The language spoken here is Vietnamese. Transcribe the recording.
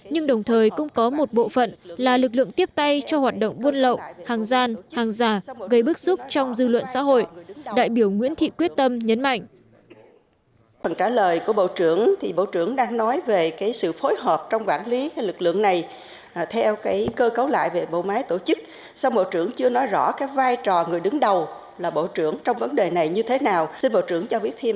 nhưng đồng thời cũng có một bộ phận là lực lượng tiếp tay cho hoạt động buôn lậu hàng gian hàng giả gây bức xúc trong dư luận xã hội